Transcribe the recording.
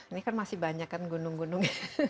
ini kan masih banyak kan gunung gunung